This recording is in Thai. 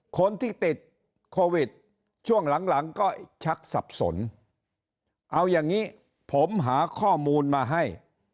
คนที่ติดโควิดช่วงหลังหลังก็ชักสับสนเอาอย่างนี้ผมหาข้อมูลมาให้